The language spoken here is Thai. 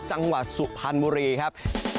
จังหวัดสุพรรณบุรีครับ